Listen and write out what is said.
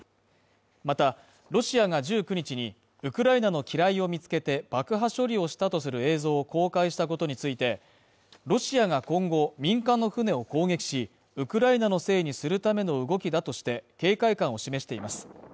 また、ロシアが１９日にウクライナの機雷を見つけて爆破処理をしたとする映像を公開したことについて、ロシアが今後、民間の船を攻撃し、ウクライナのせいにするための動きだとして警戒感を示しています。